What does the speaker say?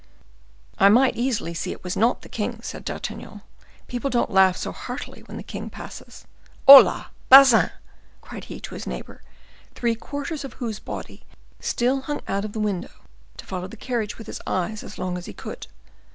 "I might easily see it was not the king," said D'Artagnan; "people don't laugh so heartily when the king passes. Hola, Bazin!" cried he to his neighbor, three quarters of whose body still hung out of the window, to follow the carriage with his eyes as long as he could.